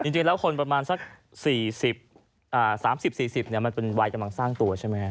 จริงแล้วคนประมาณสัก๓๐๔๐มันเป็นวัยกำลังสร้างตัวใช่ไหมครับ